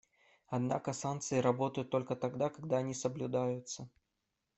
Однако санкции работают только тогда, когда они соблюдаются.